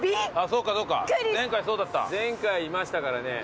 前回いましたからね。